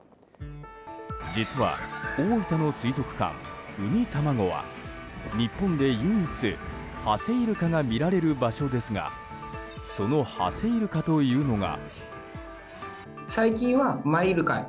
実は、大分の水族館うみたまごは日本で唯一ハセイルカが見られる場所ですがそのハセイルカというのが。